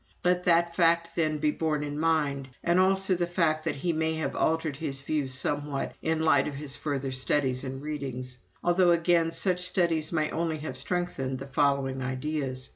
Let that fact, then, be borne in mind, and also the fact that he may have altered his views somewhat in the light of his further studies and readings although again, such studies may only have strengthened the following ideas.